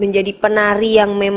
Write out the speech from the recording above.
menjadi penari yang memang